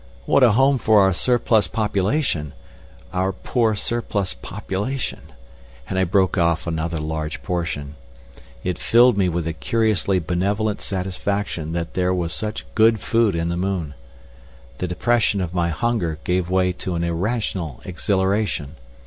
What a home for our surplus population! Our poor surplus population," and I broke off another large portion. It filled me with a curiously benevolent satisfaction that there was such good food in the moon. The depression of my hunger gave way to an irrational exhilaration.